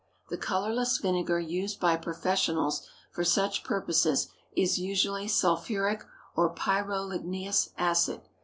The colorless vinegar used by "professionals" for such purposes is usually sulphuric or pyroligneous acid.